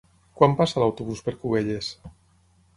Quan passa l'autobús per Cubelles?